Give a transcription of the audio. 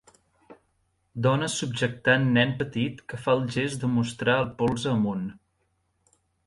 Dones subjectant nen petit que fa el gest de mostrar el polze amunt.